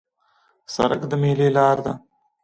سړک د میلې لار ده.